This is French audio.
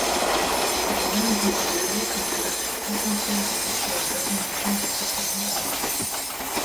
Il est même considéré comme la partie essentielle du rituel d’ordination à strictement parler.